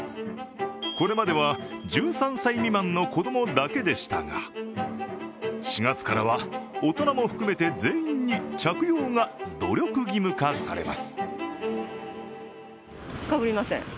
これまでは１３歳未満の子供だけでしたが４月からは大人も含めて全員に着用が努力義務化されます。